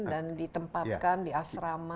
dan ditempatkan di asrama